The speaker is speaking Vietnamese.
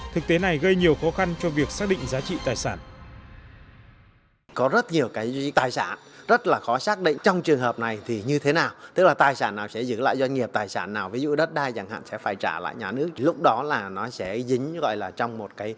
thực tế này gây nhiều khó khăn cho việc xác định giá trị tài sản